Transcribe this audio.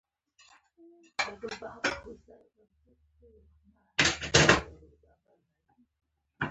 پادري وویل: کومه خبره نه ده، خو زموږ په سیمه کې پر خدای عقیده.